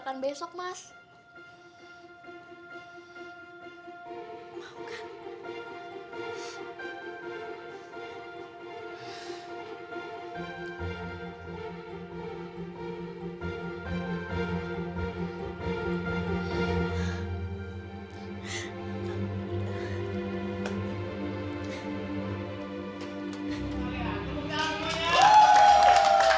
ke cohokan aaa